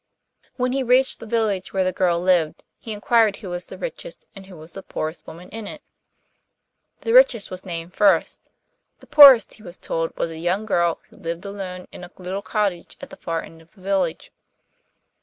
When he reached the village where the girl lived, he inquired who was the richest and who the poorest woman in it. The richest was named first; the poorest, he was told, was a young girl who lived alone in a little cottage at the far end of the village.